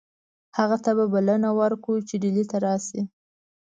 هغه ته به بلنه ورکړو چې ډهلي ته راشي.